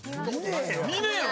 見ねえよ！